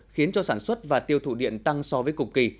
khiến cho sản xuất và tiêu thụ điện tăng so với cùng kỳ